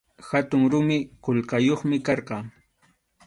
Hatun rumi qullqayuqku karqan.